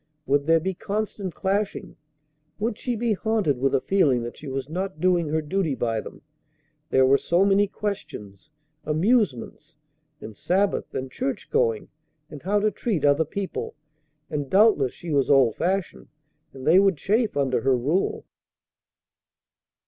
Would there be constant clashing? Would she be haunted with a feeling that she was not doing her duty by them? There were so many such questions, amusements, and Sabbath, and churchgoing, and how to treat other people. And doubtless she was old fashioned, and they would chafe under her rule.